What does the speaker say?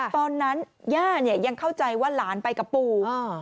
ตอนนั้นย่ายังเข้าใจว่าหลานไปกับปู่